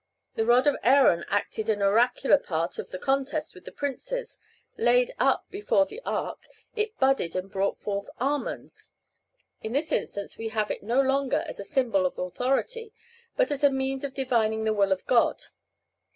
The rod of Aaron acted an oracular part in the contest with the princes; laid up before the ark, it budded and brought forth almonds. In this instance we have it no longer as a symbol of authority, but as a means of divining the will of God.